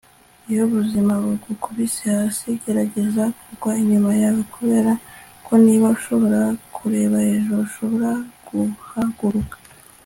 iyo ubuzima bugukubise hasi, gerageza kugwa inyuma yawe. kubera ko niba ushobora kureba hejuru, ushobora guhaguruka